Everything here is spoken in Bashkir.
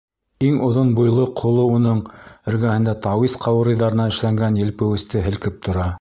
Иң оҙон буйлы ҡоло уның эргәһендә тауис ҡаурыйҙарынан эшләнгән елпеүесте һелкеп тора.